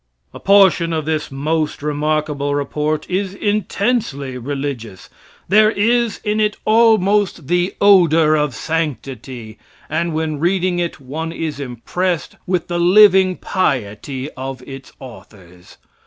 A portion of this most remarkable report is Intensely religious. There is in it almost the odor of sanctity; and when reading it, one is impressed with the living piety of its authors.